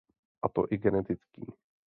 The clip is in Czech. A to i genetický.